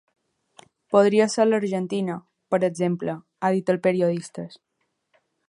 Podria ser l’Argentina, per exemple, ha dit als periodistes.